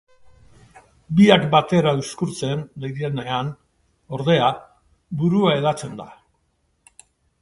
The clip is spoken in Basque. Biak batera uzkurtzen direnean, ordea, burua hedatzen da.